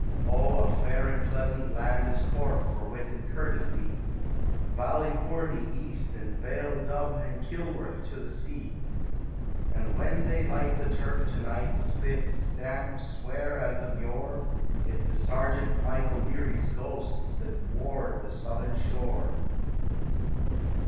Oh! a fair and pleasant land is Cork for wit and courtesy, Ballyvourney East and Baile Dubh and Kilworth to the sea: And when they light the turf to night, spit, stamp, swear as of yore, It's the Sergeant Mike O'Leary's ghosts that ward the southern shore.